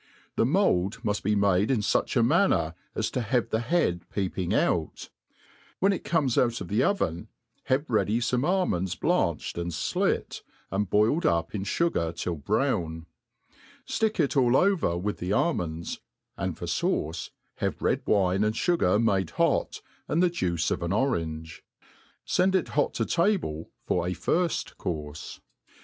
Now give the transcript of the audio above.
The mould muft be made in fuch a manner, as to have the head peeping out ; when it comes out of the ov^n', have ready fpme almonds blanched and flit, ai^d boiled up in fugar till brown* Stick it all over with the almonds ; and for fauce, have red wine an(( fugar made hot, and the juice of an orange, ^end it hot to; table for a firft courfe.